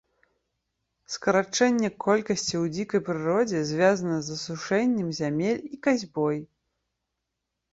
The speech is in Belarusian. Скарачэнне колькасці ў дзікай прыродзе звязана з асушэннем зямель і касьбой.